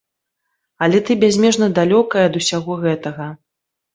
Але ты бязмежна далёкая ад усяго гэтага.